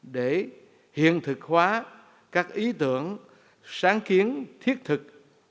để hiện thực hóa các ý tưởng sáng kiến thiết thực